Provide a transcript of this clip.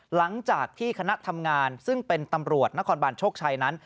หลังจากที่คณะทำงานซึ่งเป็นตำรวจนครบานโชคชัยนั้น